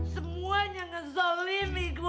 semuanya ngezolimi gue